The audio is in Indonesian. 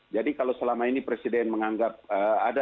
jadi kalau selama ini presiden menganggap ada